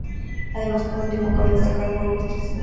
Además, por último, cabe destacar su gusto por el motete.